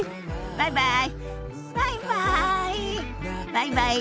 バイバイ。